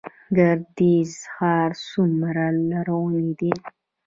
ګردیز ښار څومره لرغونی دی؟